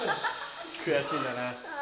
悔しいんだな。